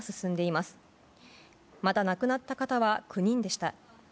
また、亡くなった方は９人でした。